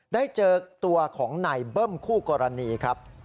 ได้เจอตัวของนายเบิ้มคู่กรณีครับ